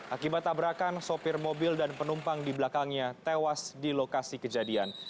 akibat tabrakan sopir mobil dan penumpang di belakangnya tewas di lokasi kejadian